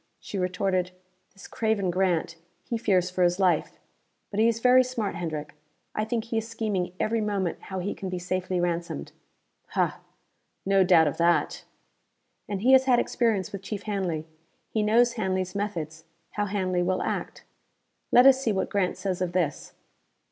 She retorted, "This craven Grant, he fears for his life but he is very smart, Hendrick. I think he is scheming every moment how he can be safely ransomed." "Hah! No doubt of that!" "And he has had experience with Chief Hanley. He knows Hanley's methods, how Hanley will act. Let us see what Grant says of this."